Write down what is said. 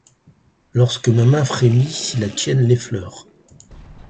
Lorsque ma main frémit si la tienne l'effleure